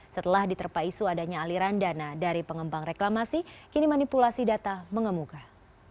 setelah diterpaisu adanya aliran dana dari pengembang reklamasi kini manipulasi data mengemukah